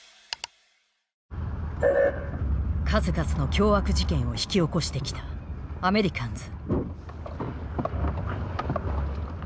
数々の凶悪事件を引き起こしてきたアメリカンズ。